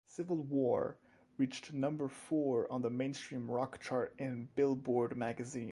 "Civil War" reached number four on the Mainstream Rock chart in "Billboard" magazine.